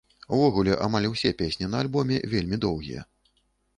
Увогуле, амаль усе песні на альбоме вельмі доўгія.